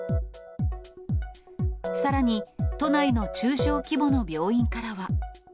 さらに、都内の中小規模の病院からは。